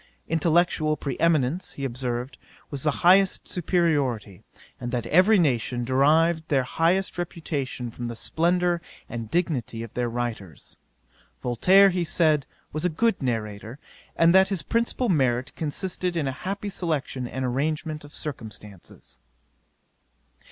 Intellectual pre eminence, he observed, was the highest superiority; and that every nation derived their highest reputation from the splendour and dignity of their writers. Voltaire, he said, was a good narrator, and that his principal merit consisted in a happy selection and arrangement of circumstances.